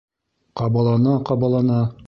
Ҡабалана-ҡабалана: